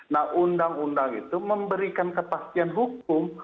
nah undang undang itu memberikan kepastian hukum